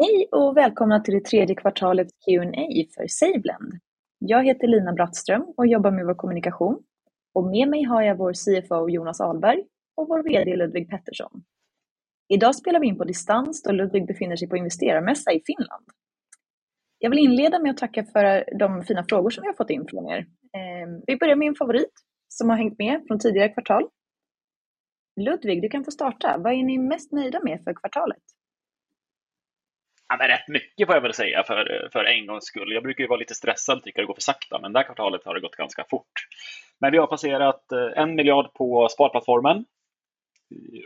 Hej och välkomna till det tredje kvartalets Q&A för SaveLend. Jag heter Lina Brattström och jobbar med vår kommunikation och med mig har jag vår CFO Jonas Ahlberg och vår VD Ludwig Pettersson. Idag spelar vi in på distans då Ludwig befinner sig på investerarmässa i Finland. Jag vill inleda med att tacka för de fina frågor som vi har fått in från er. Vi börjar med en favorit som har hängt med från tidigare kvartal. Ludwig, du kan få starta. Vad är ni mest nöjda med för kvartalet? Ja, rätt mycket får jag väl säga för en gångs skull. Jag brukar ju vara lite stressad, tycker det går för sakta, men det här kvartalet har det gått ganska fort. Vi har passerat SEK 1 miljard på sparplattformen.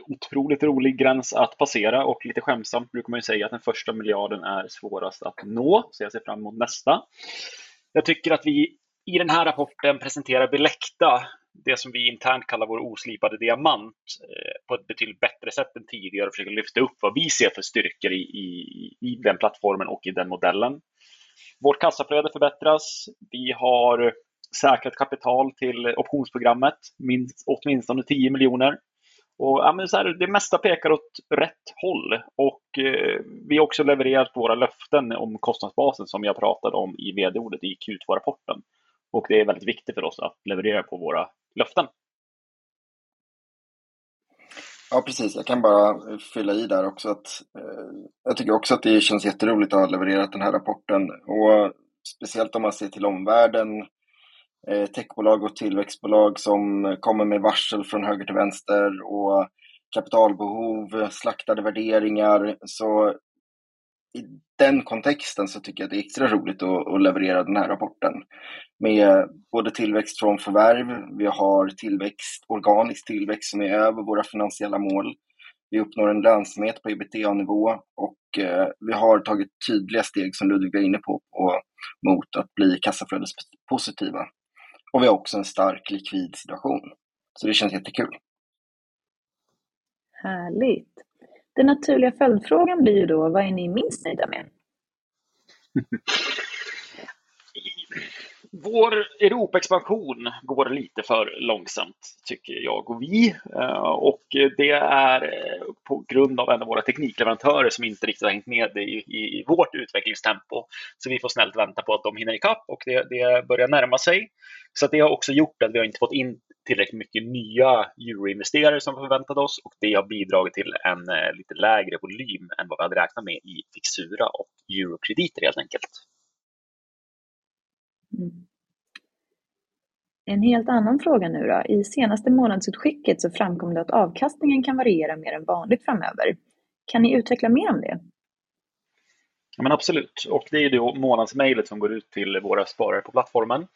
Otroligt rolig gräns att passera och lite skämtsamt brukar man ju säga att den första miljarden är svårast att nå, så jag ser fram emot nästa. Jag tycker att vi i den här rapporten presenterar Billecta, det som vi internt kallar vår oslipade diamant, på ett betydligt bättre sätt än tidigare och försöker lyfta upp vad vi ser för styrkor i den plattformen och i den modellen. Vårt kassaflöde förbättras. Vi har säkrat kapital till optionsprogrammet, minst, åtminstone SEK 10 miljoner. Det mesta pekar åt rätt håll och vi har också levererat på våra löften om kostnadsbasen som jag pratade om i VD-ordet i Q2-rapporten. Det är väldigt viktigt för oss att leverera på våra löften. Ja, precis. Jag kan bara fylla i där också att jag tycker också att det känns jätteroligt att ha levererat den här rapporten. Speciellt om man ser till omvärlden, techbolag och tillväxtbolag som kommer med varsel från höger till vänster och kapitalbehov, slaktade värderingar. I den kontexten så tycker jag att det är extra roligt att leverera den här rapporten med både tillväxt från förvärv. Vi har tillväxt, organisk tillväxt som är över våra finansiella mål. Vi uppnår en lönsamhet på EBITDA-nivå och vi har tagit tydliga steg som Ludwig var inne på mot att bli kassaflödespositiva. Vi har också en stark likvidsituation. Det känns jättekul. Härligt. Den naturliga följdfrågan blir då: Vad är ni minst nöjda med? Vår Europainvasion går lite för långsamt tycker jag och vi. Det är på grund av en av våra teknikleverantörer som inte riktigt har hängt med i vårt utvecklingstempo. Vi får snällt vänta på att de hinner ikapp och det börjar närma sig. Det har också gjort att vi inte har fått in tillräckligt mycket nya euro-investerare som förväntat oss och det har bidragit till en lite lägre volym än vad vi hade räknat med i Fixura och eurokrediter helt enkelt. En helt annan fråga nu då. I det senaste månadsutskicket så framkom det att avkastningen kan variera mer än vanligt framöver. Kan ni utveckla mer om det? Ja, men absolut. Det är då månadsmailet som går ut till våra sparare på plattformen.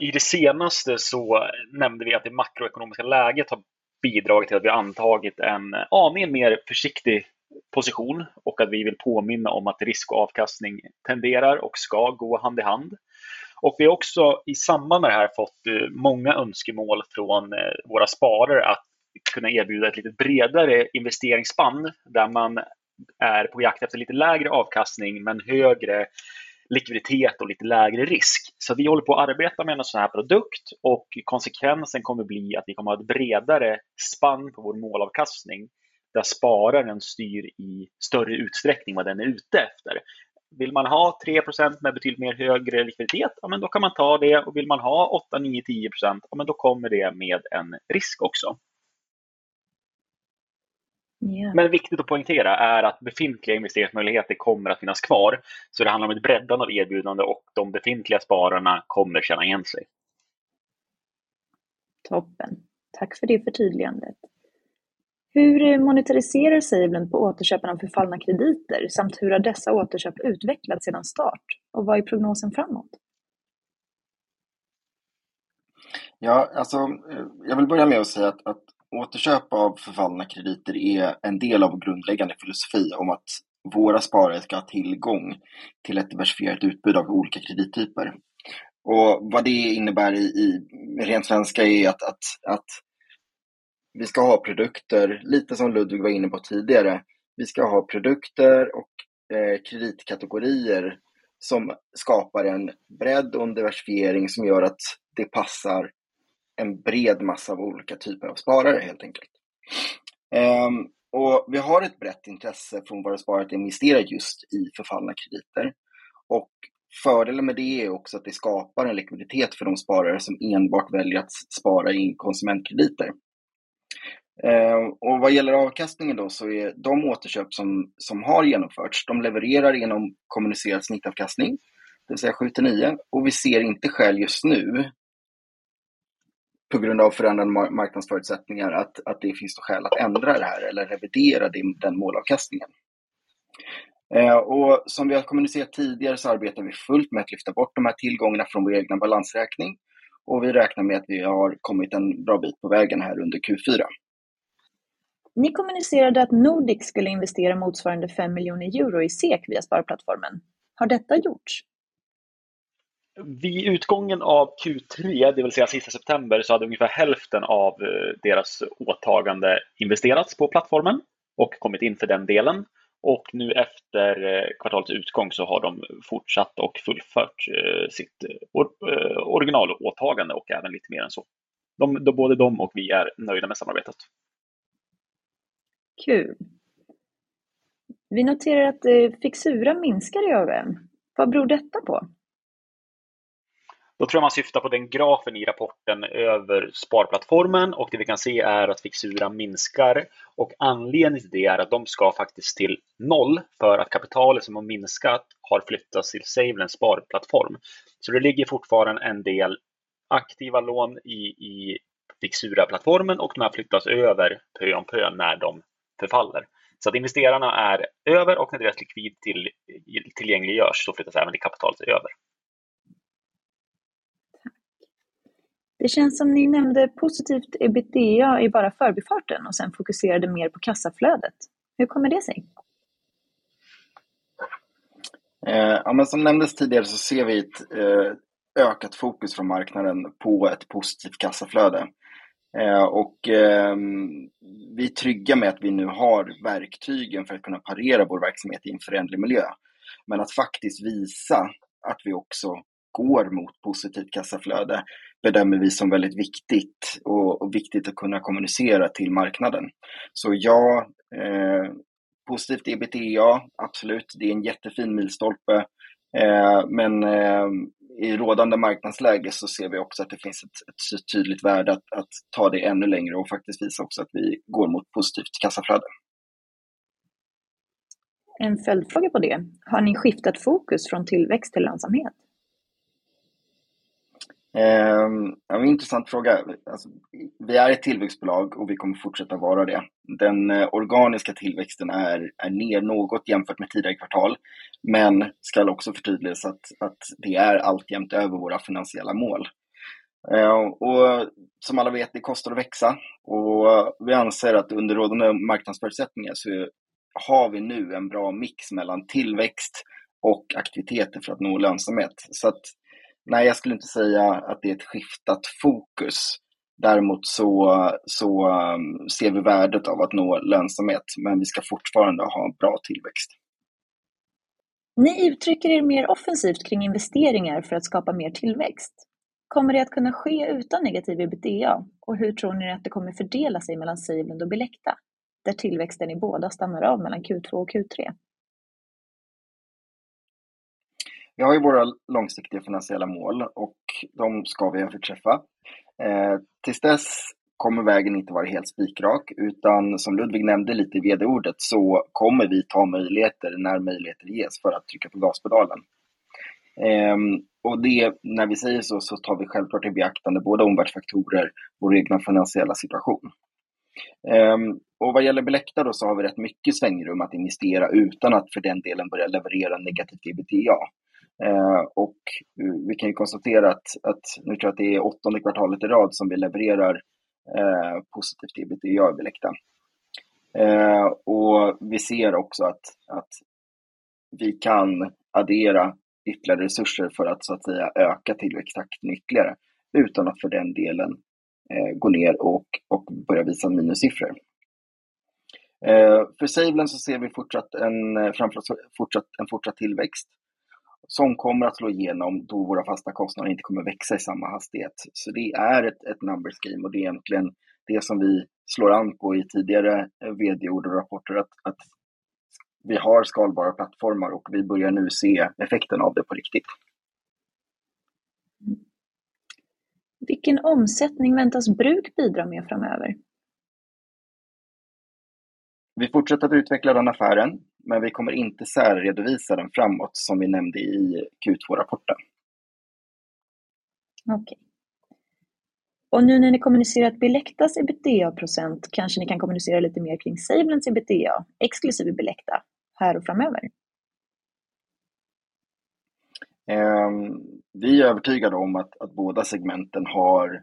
I det senaste så nämnde vi att det makroekonomiska läget har bidragit till att vi antagit en aning mer försiktig position och att vi vill påminna om att risk och avkastning tenderar och ska gå hand i hand. Vi har också i samband med det här fått många önskemål från våra sparare att kunna erbjuda ett lite bredare investeringsspann, där man är på jakt efter lite lägre avkastning men högre likviditet och lite lägre risk. Vi håller på att arbeta med en sådan här produkt och konsekvensen kommer bli att vi kommer ha ett bredare spann på vår målavkastning, där spararen styr i större utsträckning vad den är ute efter. Vill man ha 3% med betydligt mer högre likviditet, ja men då kan man ta det och vill man ha 8, 9, 10%, ja men då kommer det med en risk också. Viktigt att poängtera är att befintliga investeringsmöjligheter kommer att finnas kvar. Det handlar om ett breddande av erbjudande och de befintliga spararna kommer att känna igen sig. Toppen. Tack för det förtydligandet. Hur monetariserar sig SaveLend på återköpen av förfallna krediter samt hur har dessa återköp utvecklats sedan start och vad är prognosen framåt? Ja, alltså, jag vill börja med att säga att återköp av förfallna krediter är en del av grundläggande filosofi om att våra sparare ska ha tillgång till ett diversifierat utbud av olika kredittyper. Vad det innebär i rent svenska är att vi ska ha produkter, lite som Ludwig var inne på tidigare. Vi ska ha produkter och kreditkategorier som skapar en bredd och en diversifiering som gör att det passar en bred massa av olika typer av sparare helt enkelt. Vi har ett brett intresse från våra sparare att investera just i förfallna krediter. Fördelen med det är också att det skapar en likviditet för de sparare som enbart väljer att spara in konsumentkrediter. Vad gäller avkastningen då så är de återköp som har genomförts, de levererar genom kommunicerad snittavkastning, det vill säga 7%-9%. Vi ser inte skäl just nu på grund av förändrade marknadsförutsättningar att det finns skäl att ändra det här eller revidera den målavkastningen. Som vi har kommunicerat tidigare så arbetar vi fullt med att lyfta bort de här tillgångarna från vår egen balansräkning och vi räknar med att vi har kommit en bra bit på vägen här under Q4. Ni kommunicerade att NordIX skulle investera motsvarande EUR 5 miljoner i SEK via sparplattformen. Har detta gjorts? Vid utgången av Q3, det vill säga sista september, så hade ungefär hälften av deras åtagande investerats på plattformen och kommit in för den delen. Nu efter kvartalets utgång så har de fortsatt och fullfört sitt originalåtagande och även lite mer än så. Då både de och vi är nöjda med samarbetet. Kul. Vi noterar att, Fixura minskar i år över år. Vad beror detta på? Tror jag man syftar på den grafen i rapporten över sparplattformen och det vi kan se är att Fixura minskar. Anledningen till det är att de ska faktiskt till noll för att kapitalet som har minskat har flyttats till SaveLend's sparplattform. Det ligger fortfarande en del aktiva lån i Fixura-plattformen och de har flyttats över pö om pö när de förfaller. Att investerarna är över och när deras likvid tillgängliggörs så flyttas även det kapitalet över. Tack. Det känns som ni nämnde positivt EBITDA i bara förbifarten och sen fokuserade mer på kassaflödet. Hur kommer det sig? Ja men som nämndes tidigare så ser vi ett ökat fokus från marknaden på ett positivt kassaflöde. Vi är trygga med att vi nu har verktygen för att kunna parera vår verksamhet i en föränderlig miljö. Att faktiskt visa att vi också går mot positivt kassaflöde bedömer vi som väldigt viktigt och viktigt att kunna kommunicera till marknaden. Ja, positivt EBITDA, absolut, det är en jättefin milstolpe. I rådande marknadsläge så ser vi också att det finns ett tydligt värde att ta det ännu längre och faktiskt visa också att vi går mot positivt kassaflöde. En följdfråga på det. Har ni skiftat fokus från tillväxt till lönsamhet? Intressant fråga. Alltså vi är ett tillväxtbolag och vi kommer fortsätta vara det. Den organiska tillväxten är ner något jämfört med tidigare kvartal, men ska också förtydligas att det är alltjämt över våra finansiella mål. Som alla vet, det kostar att växa och vi anser att under rådande marknadsförutsättningar så har vi nu en bra mix mellan tillväxt och aktiviteter för att nå lönsamhet. Nej, jag skulle inte säga att det är ett skiftat fokus. Däremot ser vi värdet av att nå lönsamhet, men vi ska fortfarande ha bra tillväxt. Ni uttrycker er mer offensivt kring investeringar för att skapa mer tillväxt. Kommer det att kunna ske utan negativ EBITDA? Och hur tror ni att det kommer fördela sig mellan SaveLend och Billecta, där tillväxten i båda stannar av mellan Q2 och Q3? Vi har ju våra långsiktiga finansiella mål och de ska vi överträffa. Tills dess kommer vägen inte vara helt spikrak, utan som Ludvig nämnde lite i VD-ordet, så kommer vi ta möjligheter när möjligheter ges för att trycka på gaspedalen. Det, när vi säger så tar vi självklart i beaktande både omvärldsfaktorer, vår egen finansiella situation. Vad gäller Billecta då så har vi rätt mycket svängrum att investera utan att för den delen börja leverera negativ EBITDA. Vi kan ju konstatera att nu tror jag att det är åttonde kvartalet i rad som vi levererar positiv EBITDA i Billecta. Vi ser också att vi kan addera ytterligare resurser för att så att säga öka tillväxttakten ytterligare utan att för den delen gå ner och börja visa minussiffror. För SaveLend så ser vi fortsatt en framför allt fortsatt tillväxt som kommer att slå igenom då våra fasta kostnader inte kommer växa i samma hastighet. Det är ett numbers game och det är egentligen det som vi slår an på i tidigare vd-ord och rapporter att vi har skalbara plattformar och vi börjar nu se effekten av det på riktigt. Vilken omsättning väntas Brocc bidra med framöver? Vi fortsätter att utveckla den affären, men vi kommer inte särredovisa den framåt som vi nämnde i Q2-rapporten. Okej. Nu när ni kommunicerar Billectas EBITDA-procent, kanske ni kan kommunicera lite mer kring SaveLend's EBITDA exklusiv Billecta här och framöver? Vi är övertygade om att båda segmenten har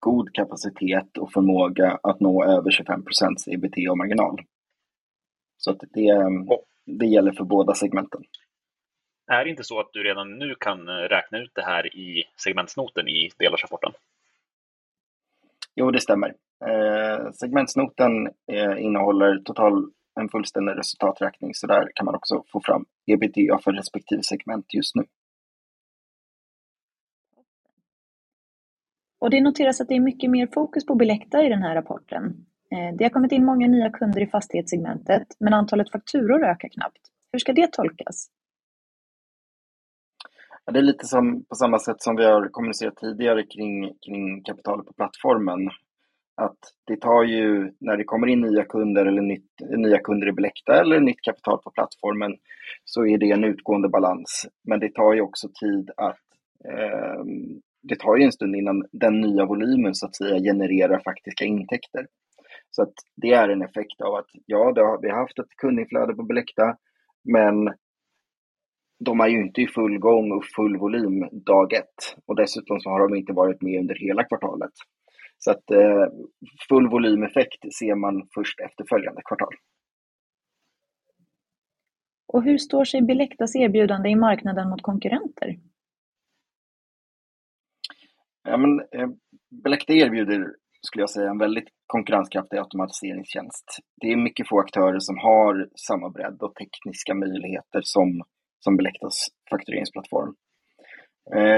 god kapacitet och förmåga att nå över 25% EBITDA-marginal. Att det gäller för båda segmenten. Är det inte så att du redan nu kan räkna ut det här i segmentsnoten i delårsrapporten? Jo, det stämmer. Segmentsnoten innehåller en fullständig resultaträkning, så där kan man också få fram EBITDA för respektive segment just nu. Det noteras att det är mycket mer fokus på Billecta i den här rapporten. Det har kommit in många nya kunder i fastighetssegmentet, men antalet fakturor ökar knappt. Hur ska det tolkas? Ja, det är lite som på samma sätt som vi har kommunicerat tidigare kring kapitalet på plattformen. Att det tar ju när det kommer in nya kunder i Billecta eller nytt kapital på plattformen, så är det en utgående balans. Det tar ju också en stund innan den nya volymen så att säga genererar faktiska intäkter. Det är en effekt av att ja, det har vi haft ett kundinflöde på Billecta, men de är ju inte i full gång och full volym dag ett. Dessutom så har de inte varit med under hela kvartalet. Full volymeffekt ser man först efter följande kvartal. Hur står sig Billectas erbjudande i marknaden mot konkurrenter? Ja men, Billecta skulle jag säga en väldigt konkurrenskraftig automatiseringstjänst. Det är mycket få aktörer som har samma bredd och tekniska möjligheter som Bilectas faktureringsplattform.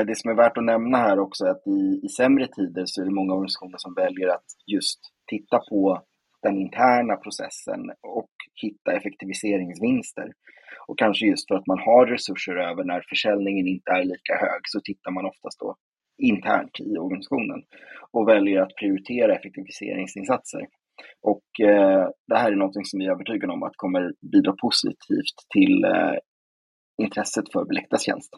Det som är värt att nämna här också är att i sämre tider så är det många organisationer som väljer att just titta på den interna processen och hitta effektiviseringsvinster. Kanske just för att man har resurser över när försäljningen inte är lika hög så tittar man oftast då internt i organisationen och väljer att prioritera effektiviseringsinsatser. Det här är någonting som vi är övertygade om att kommer bidra positivt till intresset för Billectas tjänst.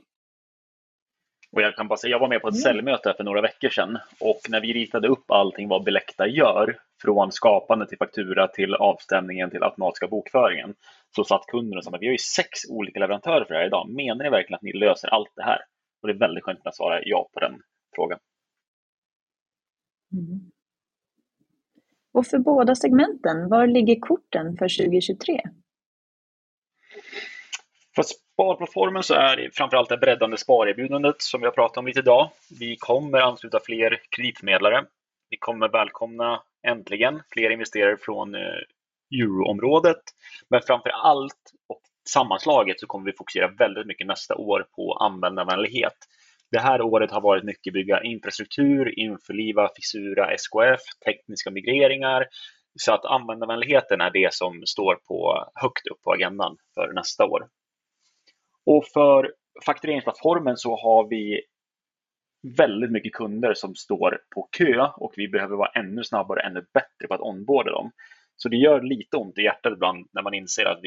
Jag kan bara säga, jag var med på ett säljmöte för några veckor sedan och när vi ritade upp allting vad Billecta gör från skapande till faktura till avstämningen till automatiska bokföringen, så satt kunden och sa: "Men vi har ju sex olika leverantörer för det här idag. Menar ni verkligen att ni löser allt det här?" Det är väldigt skönt att kunna svara ja på den frågan. För båda segmenten, var ligger korten för 2023? För sparplattformen så är det framför allt det breddande sparerbjudandet som vi har pratat om lite i dag. Vi kommer att ansluta fler kreditförmedlare. Vi kommer välkomna äntligen fler investerare från euroområdet. Men framför allt och sammanslaget så kommer vi fokusera väldigt mycket nästa år på användarvänlighet. Det här året har varit mycket bygga infrastruktur, införliva Fixura, SKF, tekniska migreringar. Så att användarvänligheten är det som står högt upp på agendan för nästa år. Och för faktureringsplattformen så har vi väldigt mycket kunder som står på kö och vi behöver vara ännu snabbare, ännu bättre på att onboarda dem. Så det gör lite ont i hjärtat ibland när man inser att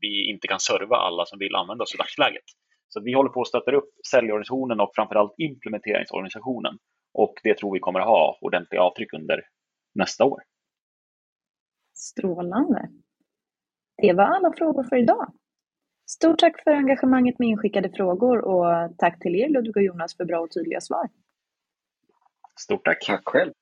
vi inte kan serva alla som vill använda oss i dagsläget. Så vi håller på och stöttar upp säljorganisationen och framför allt implementeringsorganisationen och det tror vi kommer att ha ordentliga avtryck under nästa år. Strålande. Det var alla frågor för i dag. Stort tack för engagemanget med inskickade frågor och tack till er Ludwig och Jonas för bra och tydliga svar. Stort tack själv.